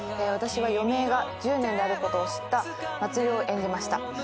私は余命が１０年であることを知った茉莉を演じました。